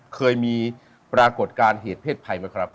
เคยมีปรากฏการณ์เหตุเพศภัยไหมครับ